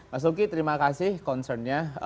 mas uki terima kasih concernnya